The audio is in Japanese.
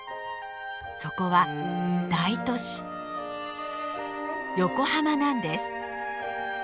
そこは大都市横浜なんです！